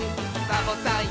「サボさん